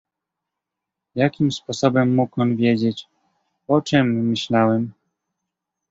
"Jakim sposobem mógł on wiedzieć, o czem myślałem?"